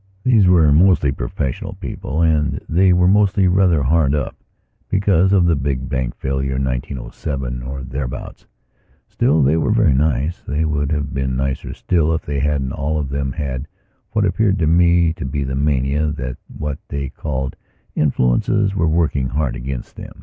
These were mostly professional people and they were mostly rather hard up because of the big bank failure in 1907 or thereabouts. Still, they were very nice. They would have been nicer still if they hadn't, all of them, had what appeared to me to be the mania that what they called influences were working against them.